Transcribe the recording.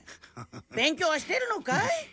勉強はしてるのかい？